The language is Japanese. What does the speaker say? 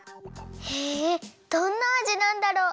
へえどんなあじなんだろう。